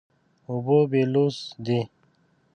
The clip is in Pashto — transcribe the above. اوبه بېلوث دي.